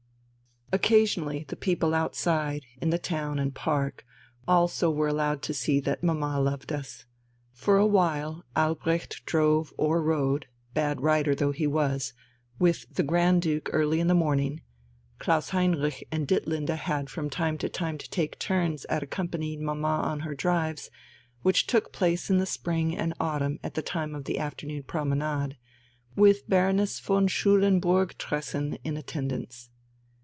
Occasionally the people outside in the town and park also were allowed to see that mamma loved us. For while Albrecht drove or rode bad rider though he was with the Grand Duke early in the morning, Klaus Heinrich and Ditlinde had from time to time to take turns at accompanying mamma on her drives, which took place in the spring and autumn at the time of the afternoon promenade, with Baroness von Schulenburg Tressen in attendance.